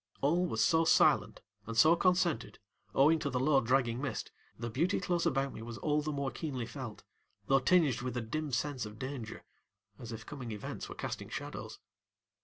All was so silent and so concentred, owing to the low dragging mist, the beauty close about me was all the more keenly felt, though tinged with a dim sense of danger, as if coming events were casting shadows.